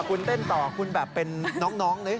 คุณเต้นต่อคุณแบบเป็นน้องนะ